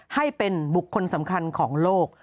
ให้เป็นบุคคลสำคัญของโลก